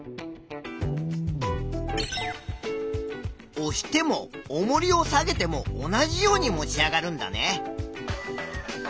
おしてもおもりを下げても同じように持ち上がるんだね。